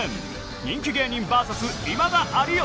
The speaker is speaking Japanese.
人気芸人ＶＳ今田・有吉。